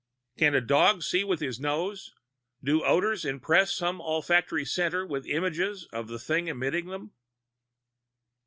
"Can a dog see with his nose? Do odors impress some olfactory centre with images of the thing emitting them?